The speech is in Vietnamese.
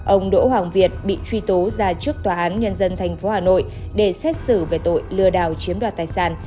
ông đỗ hoàng việt bị truy tố ra trước tòa án nhân dân tp hà nội để xét xử về tội lừa đảo chiếm đoạt tài sản